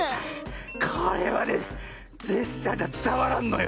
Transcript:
これはねジェスチャーじゃつたわらんのよ。